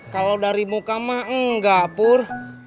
kalau dari muka mah enggak pur